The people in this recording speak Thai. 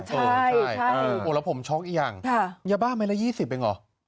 ใช่แล้วผมช็อกอีกอย่างยาบ้าไม้ละ๒๐เองเหรอ